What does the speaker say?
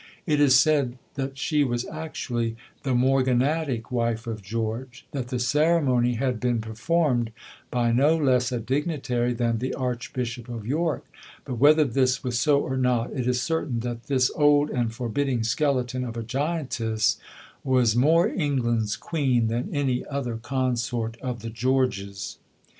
It is said that she was actually the morganatic wife of George, that the ceremony had been performed by no less a dignitary than the Archbishop of York; but, whether this was so or not, it is certain that this "old and forbidding skeleton of a giantess" was more England's Queen than any other Consort of the Georges.